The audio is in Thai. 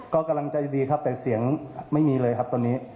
ก็กำลังใจดีครับแต่เสียงไม่มีเลยครับตอนนี้